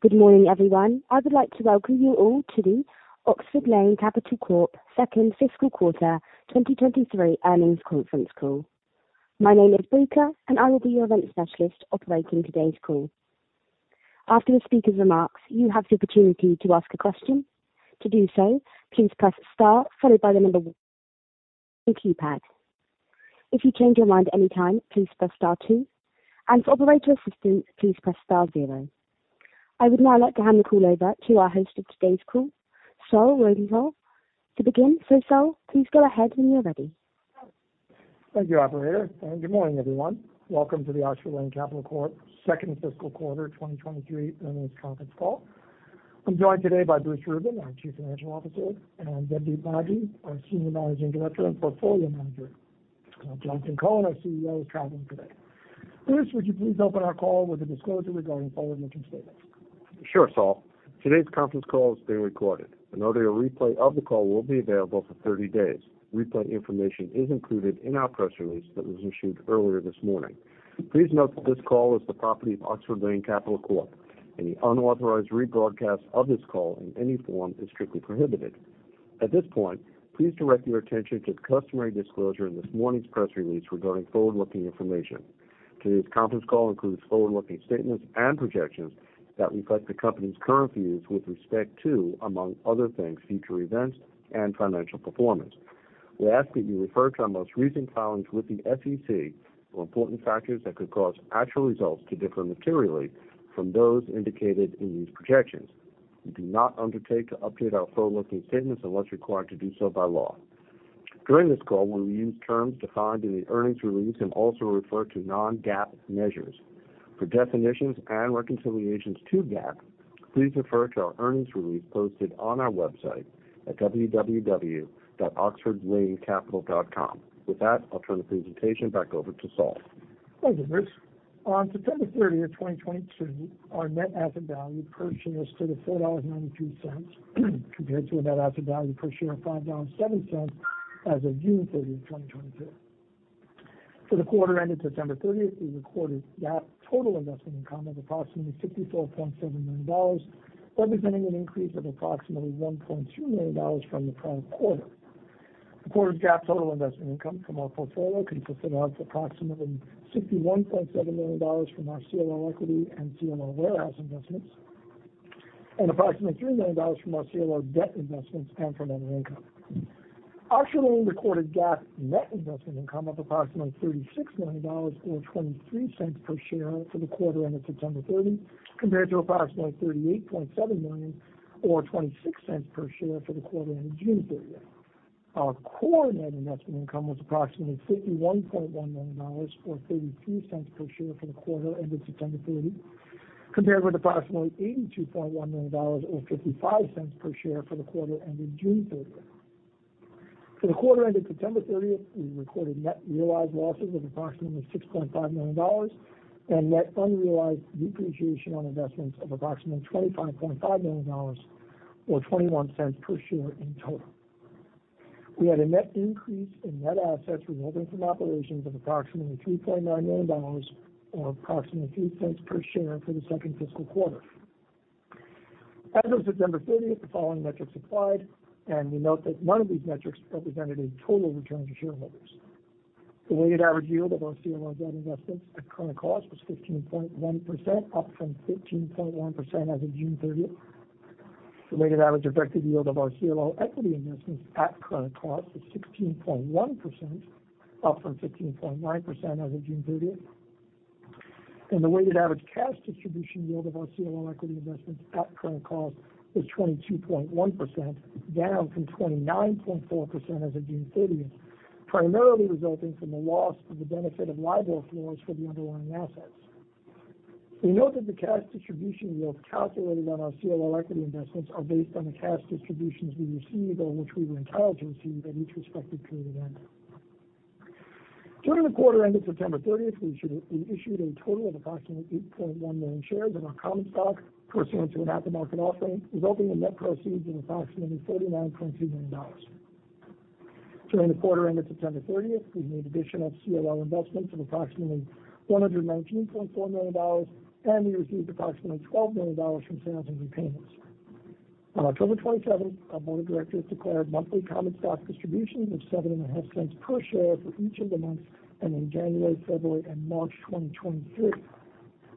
Good morning, everyone. I would like to welcome you all to the Oxford Lane Capital Corp. second fiscal quarter 2023 earnings conference call. My name is Brika, and I will be your event specialist operating today's call. After the speaker's remarks, you have the opportunity to ask a question. To do so, please press star one. If you change your mind anytime, please press star two, and for operator assistance, please press star zero. I would now like to hand the call over to our host of today's call, Saul Rosenthal. To begin, sir, Saul, please go ahead when you're ready. Thank you, operator, and good morning, everyone. Welcome to the Oxford Lane Capital Corp. second fiscal quarter 2023 earnings conference call. I'm joined today by Bruce Rubin, our Chief Financial Officer, and then Debdeep Maji, our Senior Managing Director and Portfolio Manager. Jonathan Cohen, our CEO, is traveling today. Bruce, would you please open our call with a disclosure regarding forward-looking statements? Sure, Saul. Today's conference call is being recorded. An audio replay of the call will be available for 30 days. Replay information is included in our press release that was issued earlier this morning. Please note that this call is the property of Oxford Lane Capital Corp. Any unauthorized rebroadcast of this call in any form is strictly prohibited. At this point, please direct your attention to the customary disclosure in this morning's press release regarding forward-looking information. Today's conference call includes forward-looking statements and projections that reflect the company's current views with respect to, among other things, future events and financial performance. We ask that you refer to our most recent filings with the SEC for important factors that could cause actual results to differ materially from those indicated in these projections. We do not undertake to update our forward-looking statements unless required to do so by law. During this call, when we use terms defined in the earnings release and also refer to non-GAAP measures. For definitions and reconciliations to GAAP, please refer to our earnings release posted on our website at www.oxfordlanecapital.com. With that, I'll turn the presentation back over to Saul. Thank you, Bruce. On September 30th, 2023, our net asset value per share stood at $4.92, compared to a net asset value per share of $5.07 as of June 30, 2023. For the quarter ended September 30th, 2023, we recorded GAAP total investment income of approximately $64.7 million, representing an increase of approximately $1.2 million from the prior quarter. The quarter's GAAP total investment income from our portfolio consisted of approximately $61.7 million from our CLO equity and CLO warehouse investments and approximately $3 million from our CLO debt investments and from other income. Oxford Lane recorded GAAP net investment income of approximately $36 million or $0.23 per share for the quarter ended September 30, compared to approximately $38.7 million or $0.26 per share for the quarter ended June 30. Our core net investment income was approximately $51.1 million or $0.32 per share for the quarter ended September 30, compared with approximately $82.1 million or $0.55 per share for the quarter ended June 30. For the quarter ended September 30th, we recorded net realized losses of approximately $6.5 million and net unrealized depreciation on investments of approximately $25.5 million or $0.21 per share in total. We had a net increase in net assets resulting from operations of approximately $3.9 million or approximately $0.03 per share for the second fiscal quarter. As of September 30th, the following metrics applied, and we note that one of these metrics represented a total return to shareholders. The weighted average yield of our CLO debt investments at current cost was 15.1%, up from 15.1% as of June 30th. The weighted average effective yield of our CLO equity investments at current cost was 16.1%, up from 15.9% as of June 30th. The weighted average cash distribution yield of our CLO equity investments at current cost was 22.1%, down from 29.4% as of June 30th, primarily resulting from the loss of the benefit of LIBOR floors for the underlying assets. We note that the cash distribution yields calculated on our CLO equity investments are based on the cash distributions we received or which we were entitled to receive at each respective period end. During the quarter ended September 30th, we issued a total of approximately 8.1 million shares of our common stock pursuant to an at-the-market offering, resulting in net proceeds of approximately $49.2 million. During the quarter ended September 30th, we made additions of CLO investments of approximately $119.4 million, and we received approximately $12 million from sales and repayments. On October 27, our board of directors declared monthly common stock dividend of $0.075 per share for each of the months ending January, February, and March 2023.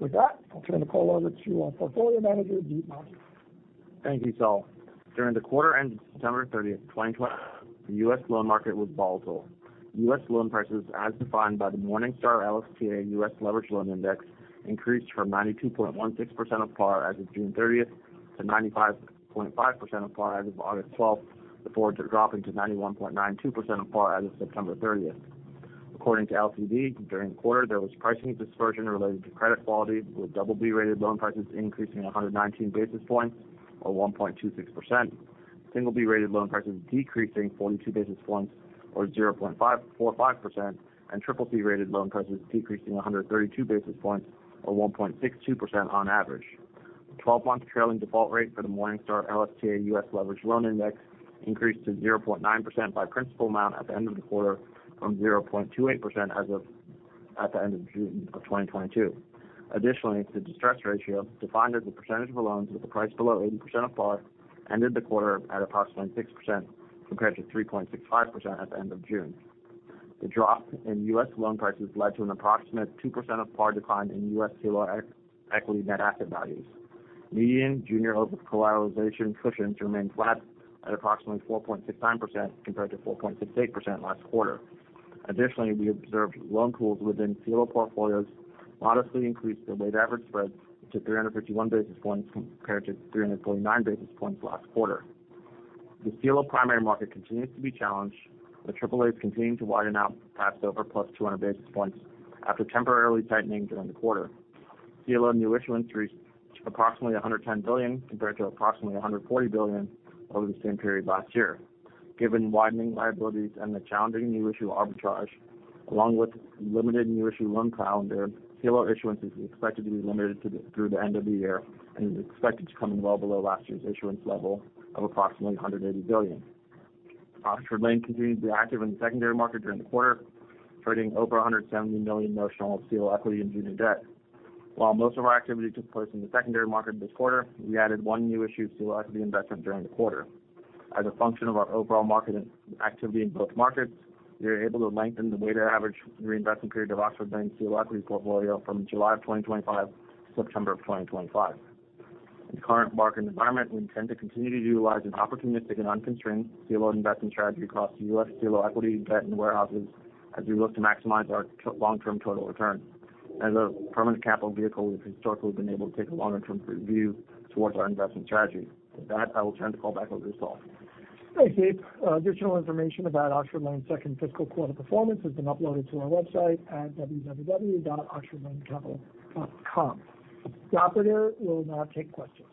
With that, I'll turn the call over to our portfolio manager, Debdeep Maji. Thank you, Saul. During the quarter ended September 30th, 2023, the U.S. loan market was volatile. U.S. loan prices, as defined by the Morningstar LSTA U.S. Leveraged Loan Index, increased from 92.16% of par as of June 30th to 95.5% of par as of August 12, before dropping to 91.92% of par as of September 30th. According to LCD, during the quarter, there was pricing dispersion related to credit quality, with BB-rated loan prices increasing 119 basis points or 1.26%. B-rated loan prices decreasing 42 basis points or 0.45% and CCC-rated loan prices decreasing 132 basis points or 1.62% on average. The 12-month trailing default rate for the Morningstar LSTA U.S. Leveraged Loan Index increased to 0.9% by principal amount at the end of the quarter from 0.28% as of the end of June 2022. Additionally, the distress ratio, defined as the percentage of loans with a price below 80% of par, ended the quarter at approximately 6% compared to 3.65% at the end of June. The drop in U.S. loan prices led to an approximate 2% of par decline in U.S. CLO equity net asset values. Median junior overcollateralization cushions remained flat at approximately 4.69% compared to 4.68% last quarter. Additionally, we observed loan pools within CLO portfolios modestly increased their weighted average spreads to 351 basis points compared to 349 basis points last quarter. The CLO primary market continues to be challenged, with triple-A's continuing to widen out past SOFR plus 200 basis points after temporarily tightening during the quarter. CLO new issuance reached approximately $110 billion, compared to approximately $140 billion over the same period last year. Given widening liabilities and the challenging new issue arbitrage, along with limited new issue loan calendar, CLO issuance is expected to be limited through the end of the year and is expected to come in well below last year's issuance level of approximately $180 billion. Oxford Lane continued to be active in the secondary market during the quarter, trading over $170 million notional CLO equity and junior debt. While most of our activity took place in the secondary market this quarter, we added one new issued CLO equity investment during the quarter. As a function of our overall market activity in both markets, we were able to lengthen the weighted average reinvestment period of Oxford Lane's CLO equity portfolio from July of 2025 to September of 2025. In the current market environment, we intend to continue to utilize an opportunistic and unconstrained CLO investment strategy across the U.S. CLO equity, debt, and warehouses as we look to maximize our long-term total return. As a permanent capital vehicle, we've historically been able to take a longer term view towards our investment strategy. With that, I will turn the call back over to Saul. Thanks, Deep. Additional information about Oxford Lane's second fiscal quarter performance has been uploaded to our website at www.oxfordlanecapital.com. The operator will now take questions.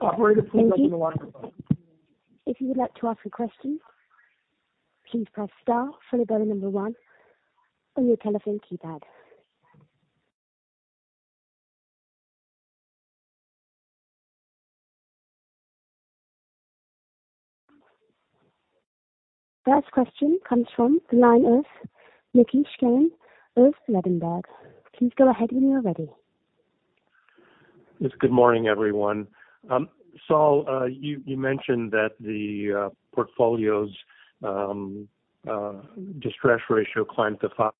Operator, please begin the lines. Thank you. If you would like to ask a question, please press star followed by the number one on your telephone keypad. First question comes from the line of Mickey Schleien of Ladenburg. Please go ahead when you are ready. Yes. Good morning, everyone. Saul, you mentioned that the portfolio's distress ratio climbed to 5%,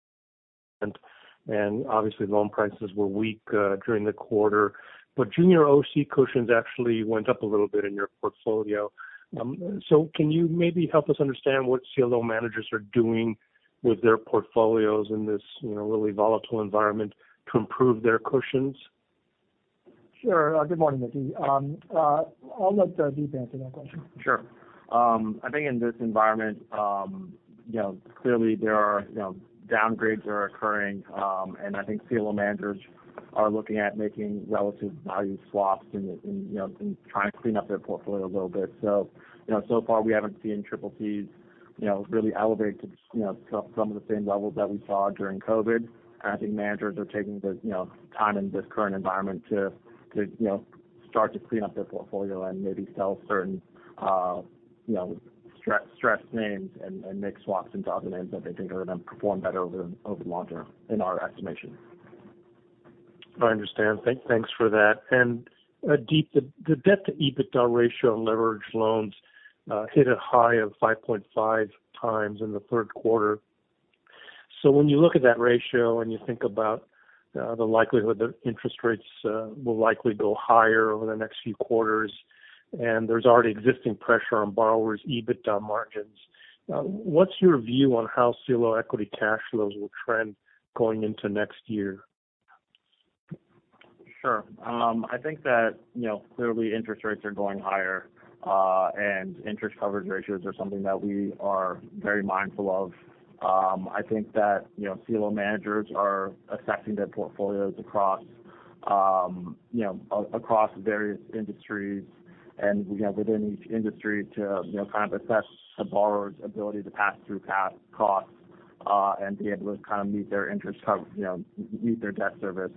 and obviously loan prices were weak during the quarter. Junior OC cushions actually went up a little bit in your portfolio. Can you maybe help us understand what CLO managers are doing with their portfolios in this, you know, really volatile environment to improve their cushions? Sure. Good morning, Mickey. I'll let Deep answer that question. Sure. I think in this environment, you know, clearly there are, you know, downgrades are occurring, and I think CLO managers are looking at making relative value swaps and, you know, trying to clean up their portfolio a little bit. You know, so far we haven't seen triple Cs, you know, really elevate to some of the same levels that we saw during COVID. I think managers are taking the, you know, time in this current environment to, you know, start to clean up their portfolio and maybe sell certain, you know, stress names and make swaps into other names that they think are gonna perform better over the long term, in our estimation. I understand. Thanks for that. Deep, the debt-to-EBITDA ratio in leveraged loans hit a high of 5.5x in the third quarter. When you look at that ratio and you think about the likelihood that interest rates will likely go higher over the next few quarters, and there's already existing pressure on borrowers' EBITDA margins, what's your view on how CLO equity cash flows will trend going into next year? Sure. I think that, you know, clearly interest rates are going higher, and interest coverage ratios are something that we are very mindful of. I think that, you know, CLO managers are assessing their portfolios across various industries and, you know, within each industry to, you know, kind of assess the borrower's ability to pass through costs, and be able to kind of meet their debt service.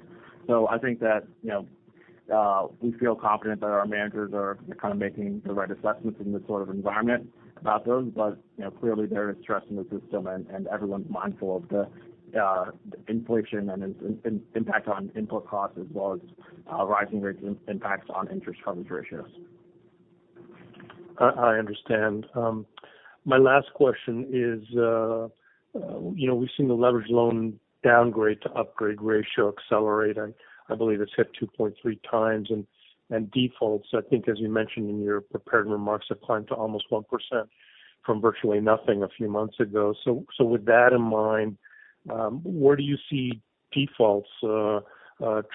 I think that, you know, we feel confident that our managers are kind of making the right assessments in this sort of environment about those. You know, clearly there is stress in the system and everyone's mindful of the inflation and its impact on input costs, as well as rising rates impact on interest coverage ratios. I understand. My last question is, you know, we've seen the leveraged loan downgrade to upgrade ratio accelerate. I believe it's hit 2.3x. Defaults, I think as you mentioned in your prepared remarks, have climbed to almost 1% from virtually nothing a few months ago. With that in mind, where do you see defaults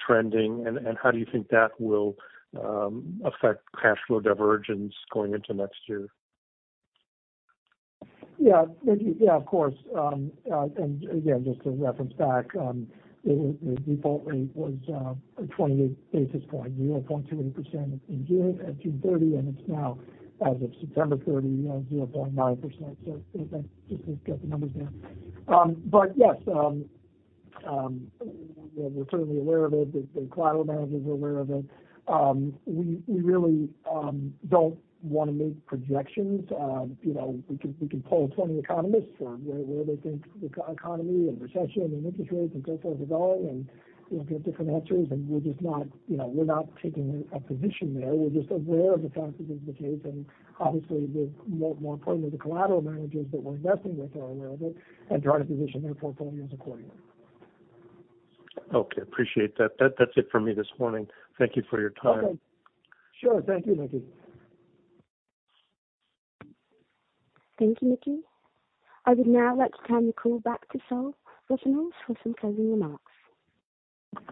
trending, and how do you think that will affect cash flow divergence going into next year? Yeah. Thank you. Yeah, of course. Again, just to reference back, the default rate was a 20 basis points, 0.28% in June, at June 30, and it's now, as of September 30, 0.9%. So I think that's just to get the numbers there. Yes, we're certainly aware of it. The collateral managers are aware of it. We really don't wanna make projections. You know, we can poll 20 economists on where they think the economy and recession and interest rates and so forth are going, and we'll get different answers, and we're just not, you know, we're not taking a position there. We're just aware of the fact that this is the case and obviously, more importantly, the collateral managers that we're investing with are aware of it and trying to position their portfolios accordingly. Okay. Appreciate that. That, that's it for me this morning. Thank you for your time. Okay. Sure. Thank you, Mickey. Thank you, Mickey. I would now like to turn the call back to Saul Rosenthal for some closing remarks.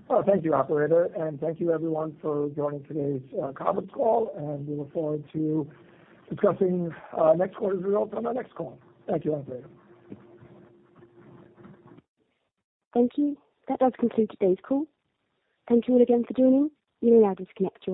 Oh, thank you, operator, and thank you everyone for joining today's conference call, and we look forward to discussing next quarter's results on our next call. Thank you, operator. Thank you. That does conclude today's call. Thank you all again for joining. You may now disconnect your lines.